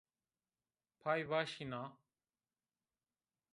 Pay vaşî na